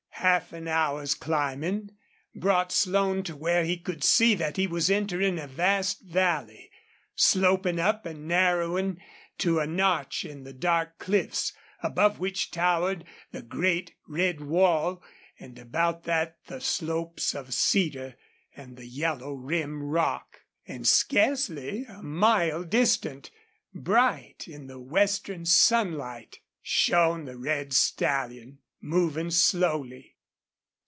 Half an hour's climbing brought Slone to where he could see that he was entering a vast valley, sloping up and narrowing to a notch in the dark cliffs, above which towered the great red wall and about that the slopes of cedar and the yellow rim rock. And scarcely a mile distant, bright in the westering sunlight, shone the red stallion, moving slowly.